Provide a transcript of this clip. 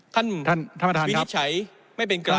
ท่านวินิจฉัยไม่เป็นกลาง